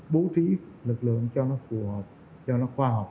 bố trí lực lượng cho nó phù hợp cho nó khoa học